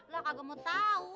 lah kakak mau tahu